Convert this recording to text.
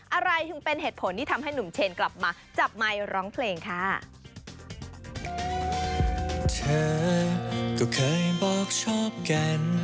อะไรถึงเป็นเหตุผลที่ทำให้หนุ่มเชนกลับมาจับไมค์ร้องเพลงค่ะ